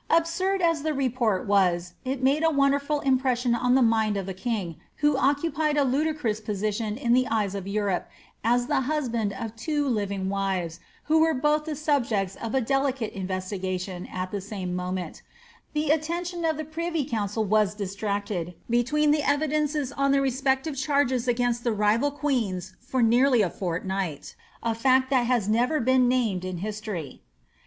* Absurd as the report was, it made a wonderful impression on the mind of the king, who occupied a ludicrous position in the eyes of Europe ai the husband of two living wives, who were both the subjects of a deli cate investigation at the same moment The attention of the privy council was distracted between the evidences on the respective chargei against the rival queens for nearly a fortnight ; a fact that has never ben named in history.